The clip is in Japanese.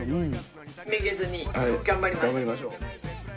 めげずに頑張ります！